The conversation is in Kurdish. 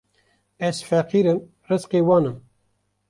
Ez feqîr im rizqê wan im